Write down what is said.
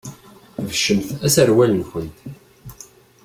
Tbeccemt aserwal-nkent.